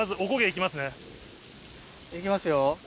行きますよ。